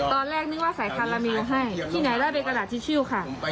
ตอนแรกนึกว่าสายคาราเมลให้ที่ไหนได้เป็นกระดาษทิชิลค่ะ